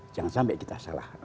jangan sampai kita salah